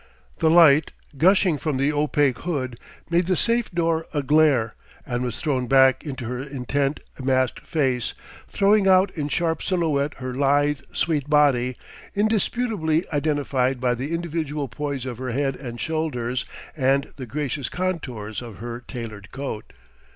The light, gushing from the opaque hood, made the safe door a glare, and was thrown back into her intent, masked face, throwing out in sharp silhouette her lithe, sweet body, indisputably identified by the individual poise of her head and shoulders and the gracious contours of her tailored coat.